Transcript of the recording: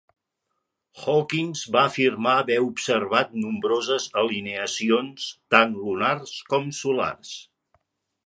Hawkins va afirmar haver observat nombroses alineacions, tant lunars com solars.